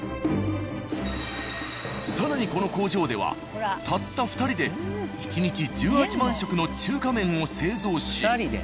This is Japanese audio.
更にこの工場ではたった２人で１日１８万食の中華麺を製造し。